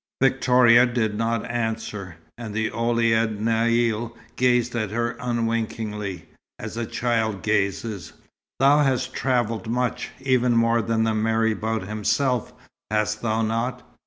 Victoria did not answer, and the Ouled Naïl gazed at her unwinkingly, as a child gazes. "Thou hast travelled much, even more than the marabout himself, hast thou not?"